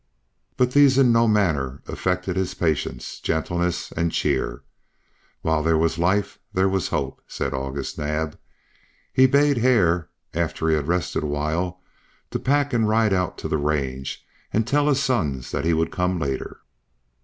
But these in no manner affected his patience, gentleness, and cheer. While there was life there was hope, said August Naab. He bade Hare, after he had rested awhile, to pack and ride out to the range, and tell his sons that he would come later.